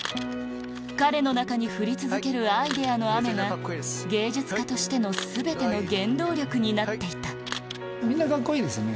彼の中に降り続けるアイデアの雨が芸術家としての全ての原動力になっていたみんなカッコいいですね。